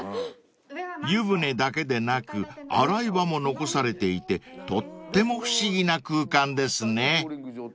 ［湯船だけでなく洗い場も残されていてとっても不思議な空間ですね］